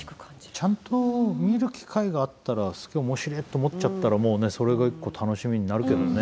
ちゃんと見る機会があったらすげえおもしれえと思っちゃったらもうねそれが一個楽しみになるけどね。